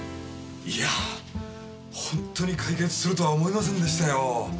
いやぁホントに解決するとは思いませんでしたよ。